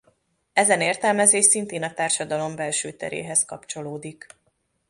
Ezen értelmezés szintén a társadalom belső teréhez kapcsolódik.